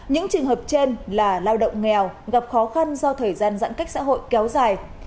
những trường hợp trên là lao động nghèo gặp khó khăn do thời gian giãn cách xã hội kéo dài